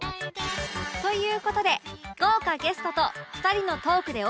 という事で豪華ゲストと２人のトークでお送りする